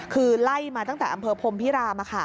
คือไล่มาตั้งแต่อำเภอพรมพิราม